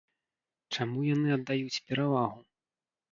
Чаму яны аддаюць перавагу?